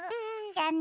じゃあね。